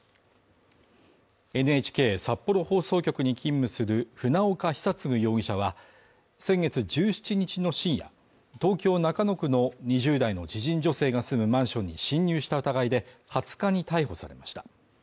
ＮＨＫ札幌放送局に勤務する船岡久嗣容疑者は、先月１７日の深夜、東京中野区の２０代の知人女性が住むマンションに侵入した疑いで２０日に逮捕されました。